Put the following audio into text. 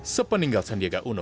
sepeninggal sandiaga uno